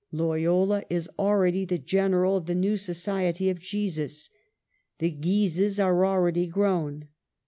Loyola is already the General of the new Society of Jesus. The Guises are already grown.